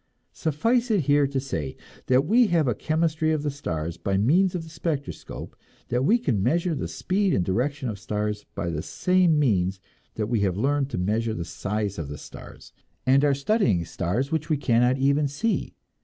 Suffice it here to say that we have a chemistry of the stars, by means of the spectroscope; that we can measure the speed and direction of stars by the same means; that we have learned to measure the size of the stars, and are studying stars which we cannot even see!